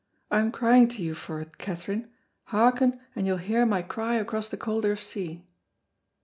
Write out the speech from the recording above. I'm crying to you for't, Kaytherine; hearken and you'll hear my cry across the cauldriff sea."